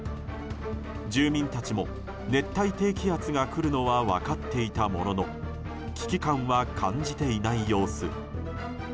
住民たちも熱帯低気圧が来るのは分かっていたものの危機感は感じていない様子。